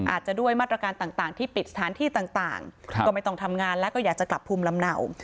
อาจจะด้วยมาตรการต่างที่ปิดสถานที่ต่างก็ไม่ต้องทำงานแล้วก็อยากจะกลับภูมิลำเนา